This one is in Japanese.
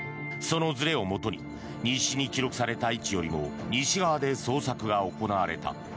そのずれをもとに日誌に記録された位置よりも西側で捜索が行われた。